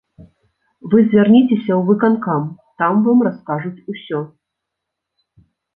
Вы звярніцеся ў выканкам, там вам раскажуць усё.